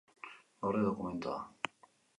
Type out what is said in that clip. Gorde dokumentua.